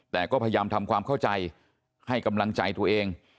แต่ก็พยายามทำความเข้าใจให้กำลังใจตัวเอง